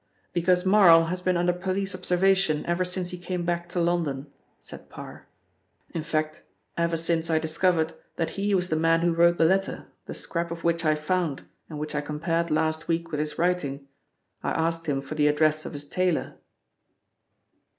"Because Marl has been under police observation ever since he came back to London," said Parr. "In fact, ever since I discovered that he was the man who wrote the letter, the scrap of which I found and which I compared last week with his writing I asked him for the address of his tailor."